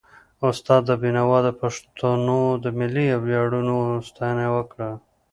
استاد بينوا د پښتنو د ملي ویاړونو ستاینه وکړه.